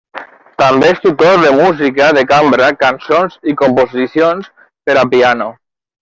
També és autor de música de cambra, cançons i composicions per a piano.